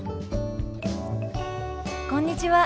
こんにちは。